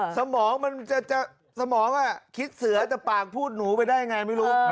สมองมันจะสมองคิดเสือแต่ปากพูดหนูไปได้ยังไงไม่รู้